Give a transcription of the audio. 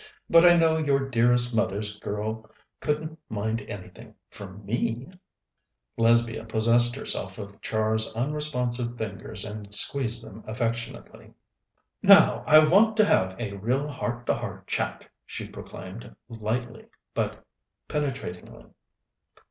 But I know your dearest mother's girl couldn't mind anything, from me!" Lesbia possessed herself of Char's unresponsive fingers and squeezed them affectionately. "Now I want to have a real heart to heart chat," she proclaimed, lightly but penetratingly.